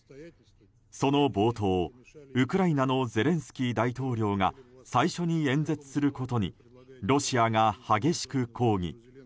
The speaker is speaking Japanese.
その冒頭、ウクライナのゼレンスキー大統領が最初に演説することにロシアが激しく抗議。